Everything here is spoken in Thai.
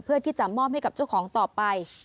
เพื่อที่จะมอบให้กับเจ้าของต่อไป